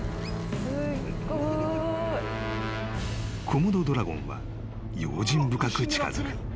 ［コモドドラゴンは用心深く近づく］